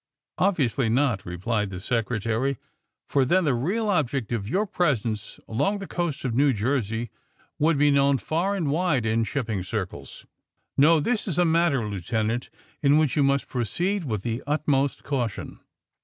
^^ Obviously not," replied the Secretary, ^^for then the real object of your presence along the 18 THE SUBMAEINE BOYS coast of New Jersey would be Imowu far and wide in shipping circles. No ; this is a matter, Lieutenant, in which you must proceed with the utmost caution.